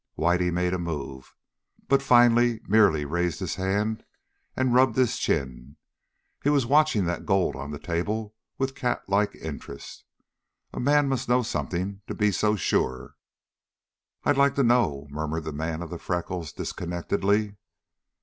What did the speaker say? Whitey made a move, but finally merely raised his hand and rubbed his chin. He was watching that gold on the table with catlike interest. A man must know something to be so sure. "I'd like to know," murmured the man of the freckles disconnectedly.